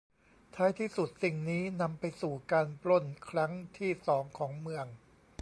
ท้ายที่สุด สิ่งนี้นำไปสู่การปล้นครั้งที่สองของเมือง